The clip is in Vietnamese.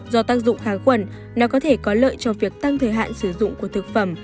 do tác dụng kháng khuẩn nó có thể có lợi cho việc tăng thời hạn sử dụng của thực phẩm